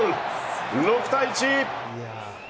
６対１。